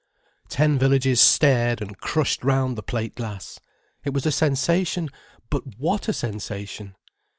Ten villages stared and crushed round the plate glass. It was a sensation: but what sensation!